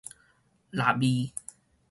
臘味